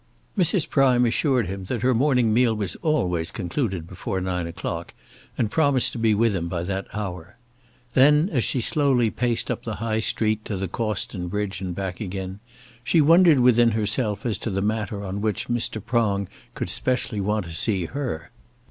Mrs. Prime assured him that her morning meal was always concluded before nine o'clock, and promised to be with him by that hour. Then as she slowly paced up the High Street to the Cawston Bridge and back again, she wondered within herself as to the matter on which Mr. Prong could specially want to see her.